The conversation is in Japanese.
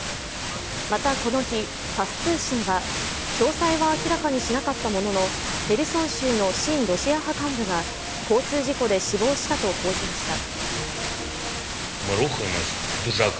またこの日、タス通信は詳細は明らかにしなかったものの、ヘルソン州の親ロシア派幹部が交通事故で死亡したと報じました。